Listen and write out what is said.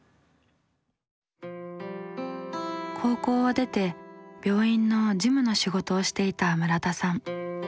高校を出て病院の事務の仕事をしていた村田さん。